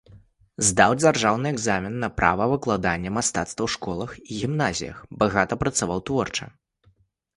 Здаў дзяржаўны экзамен на права выкладання мастацтва ў школах і гімназіях, багата працаваў творча.